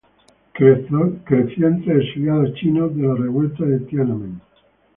Creció entre exiliados chinos de la revuelta de Tiananmen.